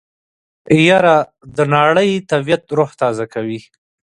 يره د ناړۍ طبعيت روح تازه کوي.